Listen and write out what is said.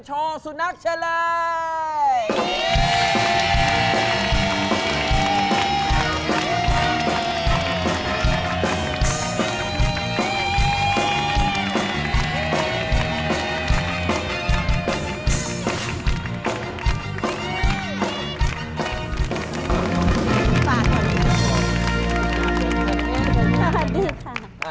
สถานท์สุดนัดแต่ละ